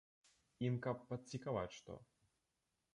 Ім каб падцікаваць што.